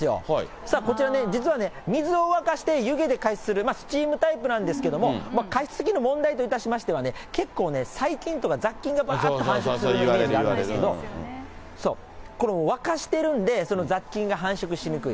さあこちら、実はね、水を沸かして湯気で加湿する、スチームタイプなんですけど、加湿器の問題といたしましては、結構ね、細菌とか雑菌がばっと繁殖するイメージなんですけど、これを沸かしてるんで、その雑菌が繁殖しにくい。